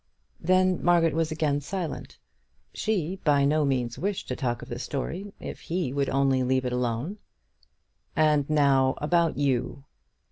Then Margaret was again silent. She by no means wished to talk of the story, if he would only leave it alone. "And now about you."